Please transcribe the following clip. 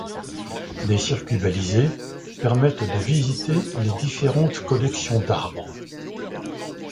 Des circuits balisés permettent de visiter les différentes collections d'arbres.